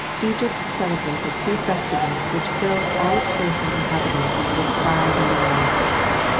Egypt celebrated two festivals which filled all its faithful inhabitants with pride and delight.